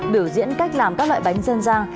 biểu diễn cách làm các loại bánh dân gian